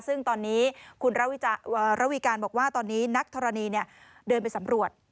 ซึ่งตอนนี้คุณระวีการบอกว่าตอนนี้นักธรณีเดินไปสำรวจ